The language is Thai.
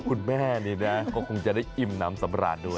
คุณแม่นี่นะก็คงจะได้อิ่มน้ำสำราญด้วย